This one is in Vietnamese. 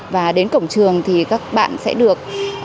và đến cổng trường thì các bạn sẽ được